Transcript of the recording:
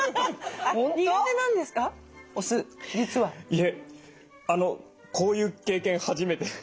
いえこういう経験初めて。